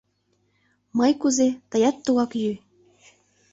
Мый кузе, тыят тугак йӱ!